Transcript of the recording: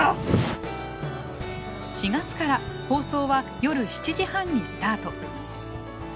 ４月から放送は夜７時半にスタート。